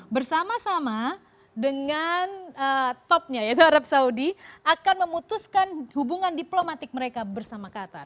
bersama sama dengan topnya yaitu arab saudi akan memutuskan hubungan diplomatik mereka bersama qatar